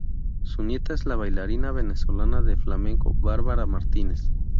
Su nieta es la bailarina venezolana de flamenco Barbara Martínez.